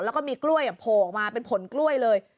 แล้วก็มีกล้วยโผล่ออกมาเป็นผลกล้วยเลย